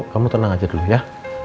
kamu tenang aja dulu ya